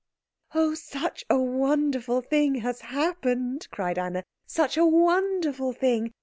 "Oh, such a wonderful thing has happened!" cried Anna; "such a wonderful thing!